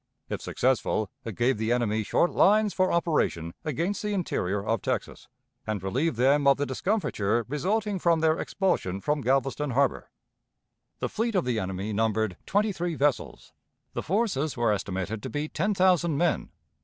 If successful, it gave the enemy short lines for operation against the interior of Texas, and relieved them of the discomfiture resulting from their expulsion from Galveston Harbor. The fleet of the enemy numbered twenty three vessels. The forces were estimated to be ten thousand men.